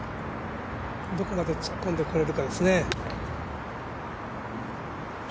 どこまで突っ込んでこれるかですね。